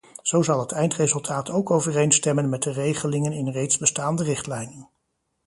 Zo zal het eindresultaat ook overeenstemmen met de regelingen in reeds bestaande richtlijnen.